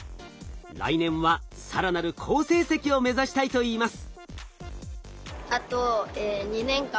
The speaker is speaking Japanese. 来年は更なる好成績を目指したいと言います。